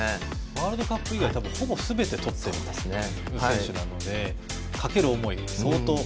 ワールドカップ以外ほぼすべてとっている選手なのでかける思いは相当。